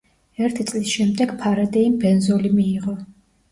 ერთი წლის შემდეგ ფარადეიმ ბენზოლი მიიღო.